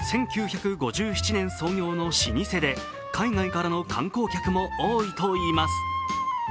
１９５７年創業の老舗で海外からの観光客も多いといいます。